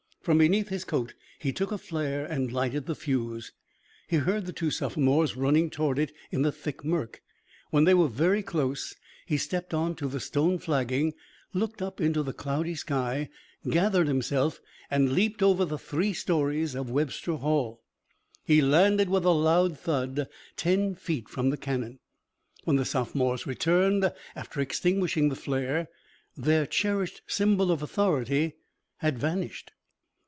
From beneath his coat he took a flare and lighted the fuse. He heard the two sophomores running toward it in the thick murk. When they were very close, he stepped on to the stone flagging, looked up into the cloudy sky, gathered himself, and leaped over the three stories of Webster Hall. He landed with a loud thud ten feet from the cannon. When the sophomores returned, after extinguishing the flare, their cherished symbol of authority had vanished.